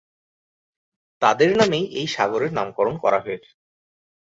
তাদের নামেই এই সাগরের নামকরণ করা হয়েছে।